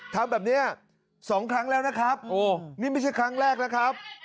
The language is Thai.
ทำแบบนี้๒ครั้งแล้วนะครับนี่ไม่ใช่ครั้งแรกนะครับ